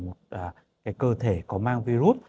một cơ thể có mang virus